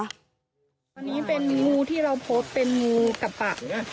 พอนี้เป็นงูที่เราพบเป็นงูกระปะ